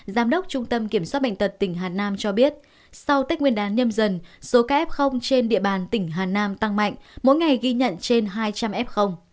giám đốc trung tâm kiểm soát bệnh tật tỉnh hà nam cho biết sau tết nguyên đán nhâm dần số ca f trên địa bàn tỉnh hà nam tăng mạnh mỗi ngày ghi nhận trên hai trăm linh f